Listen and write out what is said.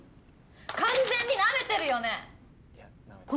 完全にナメてるよね？